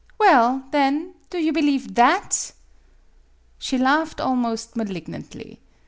" Well, then, do you believe that?" She laughed almost malignantly.